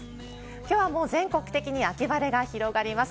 きょうは全国的に秋晴れが広がります。